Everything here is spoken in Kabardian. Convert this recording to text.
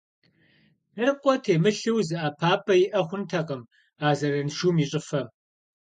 Дыркъуэ темылъу зы ӀэпапӀэ иӀэ хъунтэкъым а зэраншум и щӀыфэм.